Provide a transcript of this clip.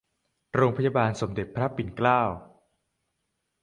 โรงพยาบาลสมเด็จพระปิ่นเกล้า